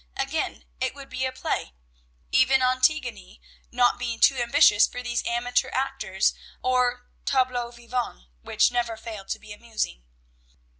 Again, it would be a play, even Antigone not being too ambitious for these amateur actors or tableaux vivants, which never failed to be amusing.